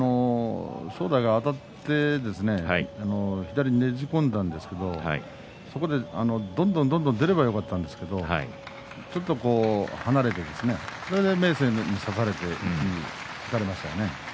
正代があたって左ねじ込んだんですけどそこで、どんどんどんどん出ればよかったんですけどちょっと離れてそれで明生に差された形ですよね。